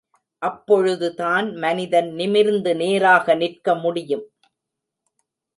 அப்பொழுதுதான் மனிதன் நிமிர்ந்து நேராக நிற்க முடியும்.